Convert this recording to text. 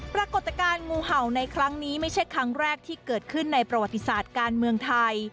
ปรากฏการณ์งูเห่าในครั้งนี้ไม่ใช่ครั้งแรกที่เกิดขึ้นในประวัติศาสตร์การเมืองไทย